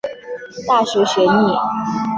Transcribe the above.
大学学历。